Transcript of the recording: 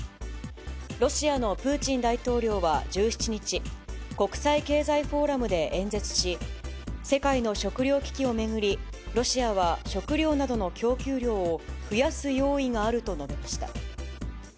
ロシアのプーチン大統領は１７日、国際経済フォーラムで演説し、世界の食糧危機を巡り、ロシアは食料などの供給量を増やす用意があると述べました。